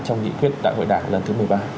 trong nghị quyết đại hội đảng lần thứ một mươi ba